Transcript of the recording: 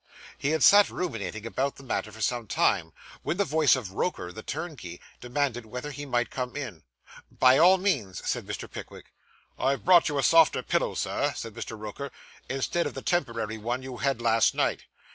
He had sat ruminating about the matter for some time, when the voice of Roker, the turnkey, demanded whether he might come in. 'By all means,' said Mr. Pickwick. 'I've brought you a softer pillow, Sir,' said Mr. Roker, 'instead of the temporary one you had last night.